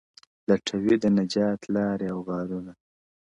لټوي د نجات لاري او غارونه-